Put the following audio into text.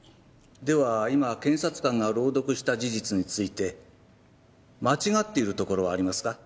では今検察官が朗読した事実について間違っているところはありますか？